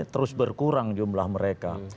terus berkurang jumlah mereka